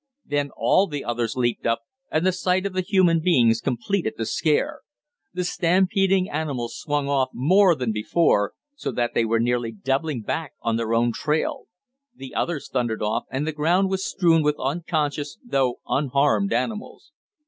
Then all the others leaped up, and the sight of the human beings completed the scare. The stampeding animals swung off more than before, so that they were nearly doubling back on their own trail. The others thundered off, and the ground was strewn with unconscious though unharmed animals.